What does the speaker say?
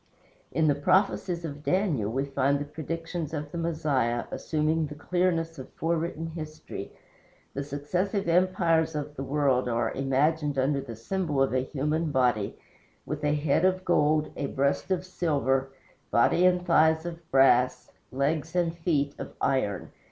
In the prophecies of Daniel we find the predictions of the Messiah assuming the clearness of forewritten history. The successive empires of the world are imaged under the symbol of a human body, with a head of gold, a breast of silver, body and thighs of brass, legs and feet of iron.